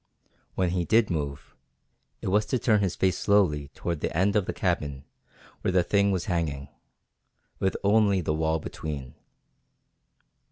When he did move, it was to turn his face slowly toward the end of the cabin where the thing was hanging, with only the wall between.